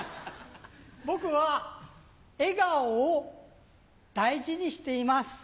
僕は笑顔を大事にしています。